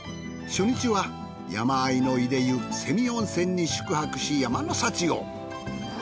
初日は山あいのいで湯瀬見温泉に宿泊し山の幸を。